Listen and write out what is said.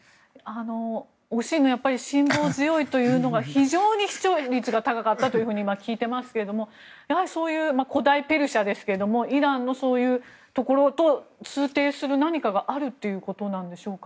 「おしん」の辛抱強いというのが非常に視聴率が高かったと聞いていますがそういう古代ペルシャですがイランのそういうところと通底する何かがあるということなんでしょうか。